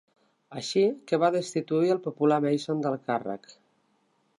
Així que va destituir el popular Mason del càrrec.